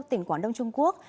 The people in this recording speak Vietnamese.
tỉnh quảng đông trung quốc